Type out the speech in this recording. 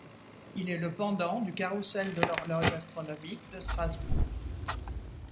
Il est le pendant du carrousel de l'horloge astronomique de Strasbourg.